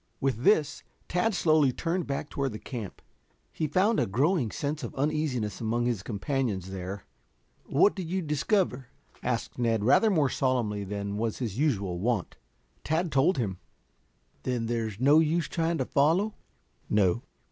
With this, Tad slowly turned back toward the camp. He found a growing sense of uneasiness among his companions there. "What did you discover?" asked Ned rather more solemnly than was his usual wont. Tad told him. "Then, there's no use trying to follow?" "No."